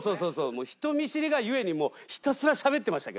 人見知りが故にもうひたすらしゃべってましたけど。